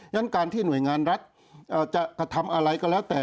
ฉะนั้นการที่หน่วยงานรัฐจะกระทำอะไรก็แล้วแต่